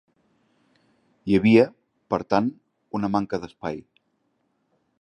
Hi havia, per tant, una manca d'espai.